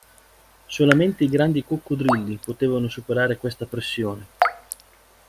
Solamente i grandi coccodrilli potevano superare questa pressione.